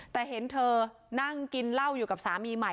แต่เห็นเธอนั่งกินเหล้าอยู่กับสามีใหม่